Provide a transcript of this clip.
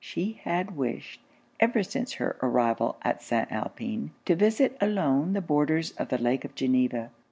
She had wished, ever since her arrival at St. Alpin, to visit alone the borders of the lake of Geneva.